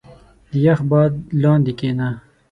• د یخ باد لاندې کښېنه.